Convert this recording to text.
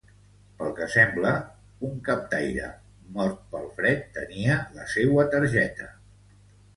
Pel que sembla, un captaire mort pel fred tenia la seua targeta.